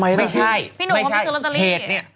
พี่หนุะเขาไปซื้อละครี